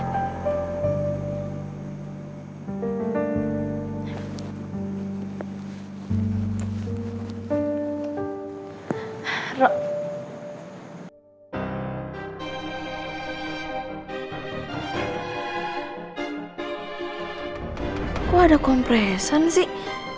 kok ada kompresan sih